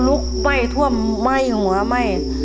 ลุกไหม้ท่วมไหม้หัวไหม้